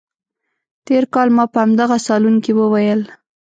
تېر کال ما په همدغه صالون کې وویل.